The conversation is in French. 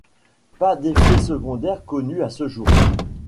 Pas d'effet secondaire connu à ce jour.